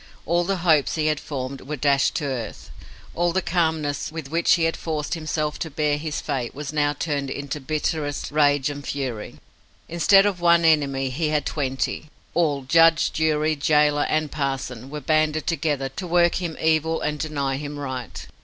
All the hopes he had formed were dashed to earth. All the calmness with which he had forced himself to bear his fate was now turned into bitterest rage and fury. Instead of one enemy he had twenty. All judge, jury, gaoler, and parson were banded together to work him evil and deny him right.